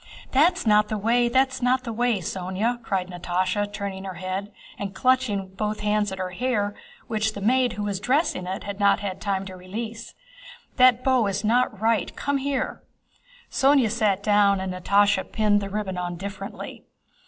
"That's not the way, that's not the way, Sónya!" cried Natásha turning her head and clutching with both hands at her hair which the maid who was dressing it had not time to release. "That bow is not right. Come here!" Sónya sat down and Natásha pinned the ribbon on differently.